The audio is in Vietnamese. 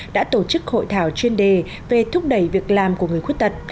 đã tổ chức hội thảo chuyên đề về thúc đẩy việc làm của người khuyết tật